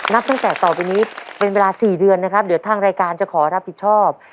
นับตั้งแต่ต่อไปนี้เป็นเวลา๔เดือนนะครับเดี๋ยวทางรายการจะขอรับผิดชอบ